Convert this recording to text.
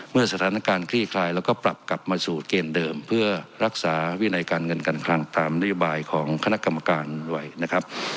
เมื่อสถานการณ์คลี่คลายแล้วก็ปรับกลับมาสู่เกณฑ์เดิมเพื่อรักษาวินัยการเงินการคลังตามนโยบายของคณะกรรมการด้วยนะครับ